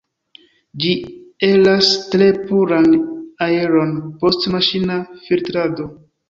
Ĝi ellasas tre puran aeron, post maŝina filtrado.